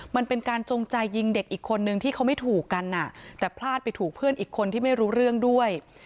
มันเป็นการจงใจยิงเด็กอีกคนนึงที่เขาไม่ถูกกันแต่พลาดไปถูกเพื่อนอีกคนที่ไม่รู้เรื่องด้วย